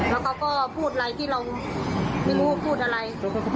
แล้วเขาก็พูดอะไรที่เราไม่รู้ว่าพูดอะไร